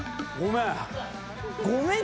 ごめん。